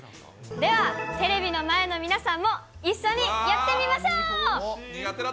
では、テレビの前の皆さんも一緒にやってみましょう。